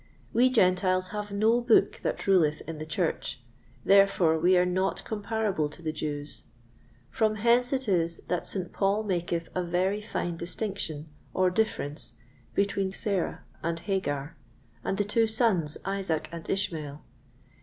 We Gentiles have no book that ruleth in the Church, therefore we are not comparable to the Jews; from hence it is that St. Paul maketh a very fine distinction or difference between Sarah and Hagar, and the two sons, Isaac and Ishmael.